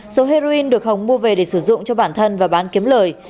số heroin được hồng mua về để sử dụng cho bản thân và bán kiếm lời